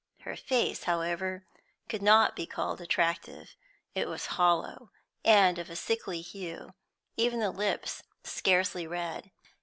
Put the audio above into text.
Her face, however, could not be called attractive; it was hollow and of a sickly hue, even the lips scarcely red.